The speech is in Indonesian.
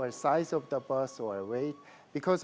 ukuran atau ukuran bus